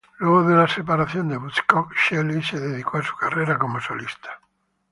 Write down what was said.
Luego de la separación de Buzzcocks, Shelley se dedicó a su carrera como solista.